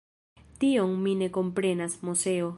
Tion mi ne komprenas, Moseo.